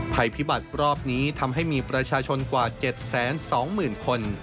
ภัยพิบัตรรอบนี้ทำให้มีประชาชนกว่า๗๒๐๐๐คน